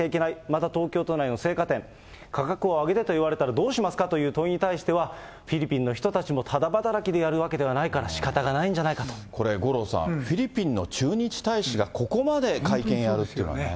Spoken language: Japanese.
また東京都内の青果店、価格を上げてと言われたらどうしますかという問いにフィリピンの人たちもただ働きでやるわけじゃないからしかたがないんじゃないこれ五郎さん、フィリピンの駐日大使がここまで会見やるというのはね。